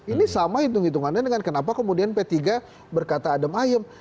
ini sama hitung hitungannya dengan kenapa kemudian p tiga berkata adem ayem